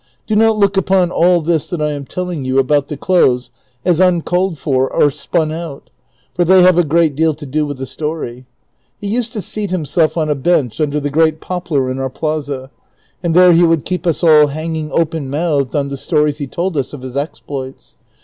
Do not look upon all this that I am telling you about the clothes as uncalled for or spun out, tor they have a great deal to do with the story. lie used to seat himself on a bench under the great poplar in (uir ])laza ; an<l there he would keep us all hanging open moutlicd on the stories he tohl us of his exploits.